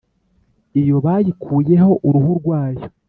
Iyo bayikuyeho uruhu rwayo